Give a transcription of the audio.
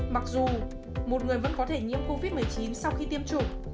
mặc dù một người vẫn có thể nhiễm covid một mươi chín sau khi tiêm chủng